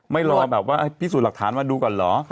ไม่รอแบบว่าพิสูจน์หลักฐานมาดูก่อนเหรอ